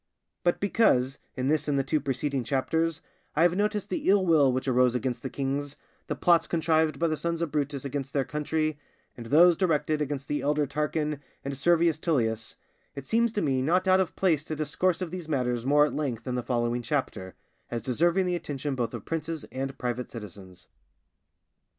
But because, in this and the two preceding Chapters, I have noticed the ill will which arose against the kings, the plots contrived by the sons of Brutus against their country, and those directed against the elder Tarquin and Servius Tullius, it seems to me not out of place to discourse of these matters more at length in the following Chapter, as deserving the attention both of princes and private citizens.